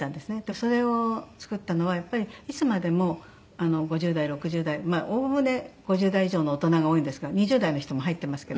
それを作ったのはやっぱりいつまでも５０代６０代おおむね５０代以上の大人が多いんですが２０代の人も入ってますけど。